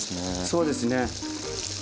そうですね。